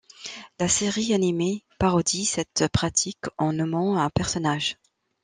La série animée ' parodie cette pratique en nommant un personnage '.